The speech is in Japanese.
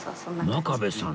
真壁さん